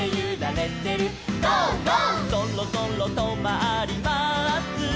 「そろそろとまります」